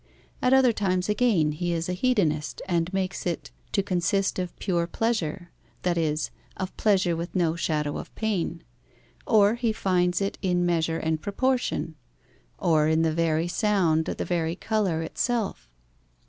At other times again, he is a hedonist, and makes it to consist of pure pleasure, that is, of pleasure with no shadow of pain; or he finds it in measure and proportion, or in the very sound, the very colour itself.